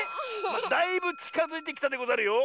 だいぶちかづいてきたでござるよ。